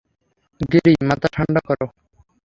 গিরি, মাথা ঠান্ডা করো।